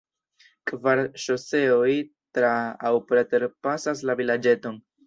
Kvar ŝoseoj tra- aŭ preter-pasas la vilaĝeton.